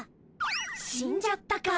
死んじゃったか！